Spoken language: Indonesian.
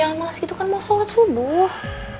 bangun jangan males gitu kan mau surat subuh